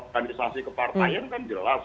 kalau dalam organisasi kepartaian kan jelas